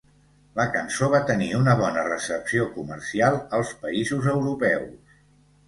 La cançó va tenir una bona recepció comercial als països europeus.